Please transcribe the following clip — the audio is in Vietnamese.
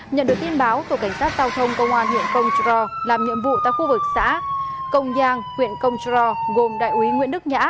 nhận được tin báo tổ cảnh sát giao thông công an huyện công trờ làm nhiệm vụ tại khu vực xã công giang huyện công trờ gồm đại úy nguyễn đức nhã